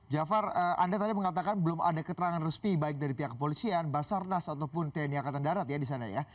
jafar anda tadi mengatakan belum ada keterangan resmi baik dari pihak kepolisian basarnas ataupun tni angkatan darat ya di sana ya